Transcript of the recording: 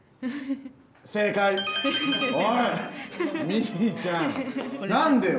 ミーちゃん何でよ？